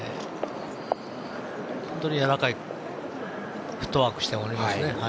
本当にやわらかいフットワークをしておりますね。